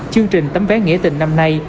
chương trình tấm vé nghĩa tình năm nay